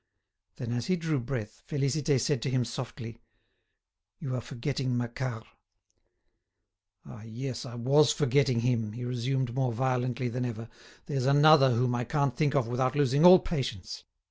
Then, as he drew breath, Félicité said to him softly: "You are forgetting Macquart." "Ah! yes; I was forgetting him," he resumed more violently than ever; "there's another whom I can't think of without losing all patience!